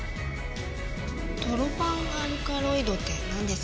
トロパンアルカロイドってなんです？